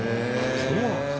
そうなんですか。